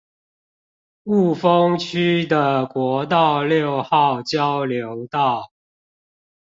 霧峰區的國道六號交流道